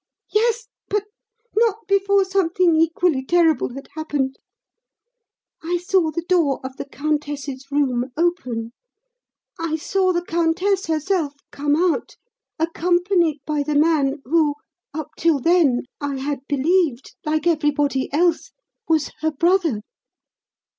"Yes; but not before something equally terrible had happened. I saw the door of the countess's room open; I saw the countess herself come out, accompanied by the man who up till then I had believed, like everybody else, was her brother."